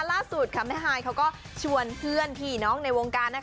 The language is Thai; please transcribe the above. ล่าสุดแม่ฮายเขาก็ชวนเพื่อนพี่น้องในวงการ